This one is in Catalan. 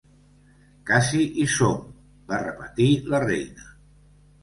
"Casi hi som!" va repetir la reina.